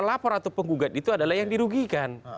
pelapor atau penggugat itu adalah yang dirugikan